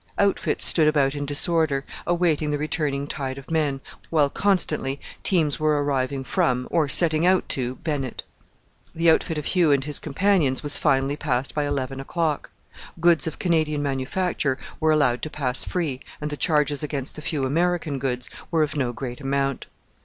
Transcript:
Outfits stood about in disorder, awaiting the returning tide of men, while constantly teams were arriving from, or setting out to, Bennett. The outfit of Hugh and his companions was finally passed by eleven o'clock. Goods of Canadian manufacture were allowed to pass free, and the charges against the few American goods were of no great amount.